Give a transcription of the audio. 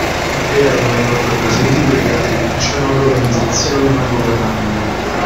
Erano inoltre presenti delegati di diciannove organizzazioni non governative.